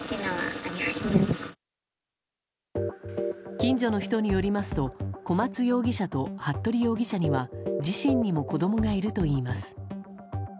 近所の人によりますと小松容疑者と服部容疑者には自身にも子供がいるといいます。